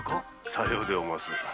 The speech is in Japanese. さようでおます。